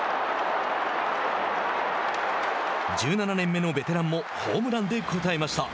１７年目のベテランもホームランで応えました。